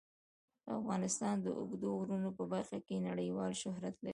افغانستان د اوږدو غرونو په برخه کې نړیوال شهرت لري.